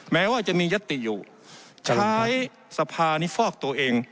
แม้ว่าจะมียติอยู่ใช้สภานี้ฟอกตัวเอง